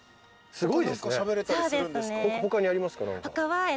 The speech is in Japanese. すごい。